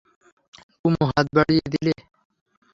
কুমু হাত বাড়িয়ে দিলে।